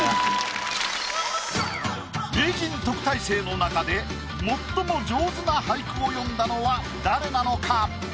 名人特待生の中で最も上手な俳句を詠んだのは誰なのか？